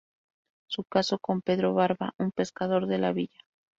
Se casó con Pedro Barba, un pescador de la villa.